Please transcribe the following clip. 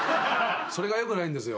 それがよくないんですよ。